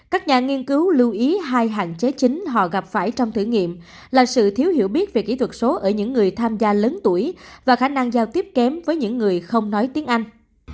các nhà nghiên cứu lưu ý hai hạn chế chính họ gặp phải trong thử nghiệm là sự thiếu hiểu biết về kỹ thuật số ở những người tham gia lớn tuổi và khả năng giao tiếp kém với những người không nói tiếng anh